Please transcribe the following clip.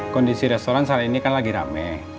kondisi restoran saat ini kan lagi rame